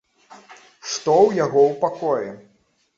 Што ў яго ў пакоі?